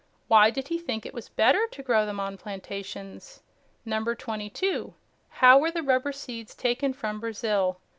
Why did he think it was better to grow them on plantations? 22. How were the rubber seeds taken from Brazil?